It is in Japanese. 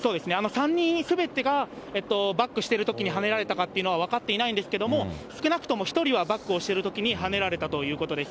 ３人すべてがバックしてるときにはねられたかというのは分かっていないんですけれども、少なくとも１人はバックをしているときにはねられたということです。